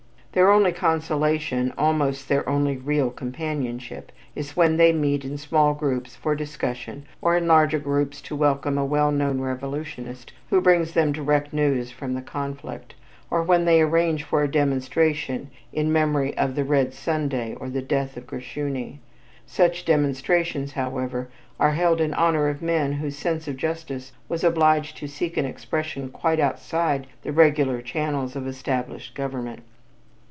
Their only consolation, almost their only real companionship, is when they meet in small groups for discussion or in larger groups to welcome a well known revolutionist who brings them direct news from the conflict, or when they arrange for a demonstration in memory of "The Red Sunday" or the death of Gershuni. Such demonstrations, however, are held in honor of men whose sense of justice was obliged to seek an expression quite outside the regular channels of established government.